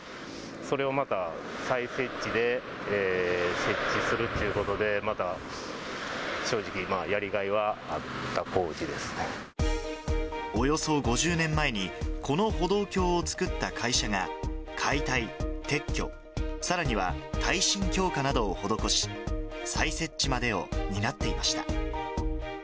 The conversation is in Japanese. それをまた再設置で設置するということで、また正直、やりがいはおよそ５０年前に、この歩道橋を造った会社が、解体、撤去、さらには耐震強化などを施し、再設置までを担っていました。